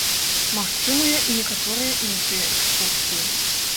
Магчымыя і некаторыя іншыя экскурсіі.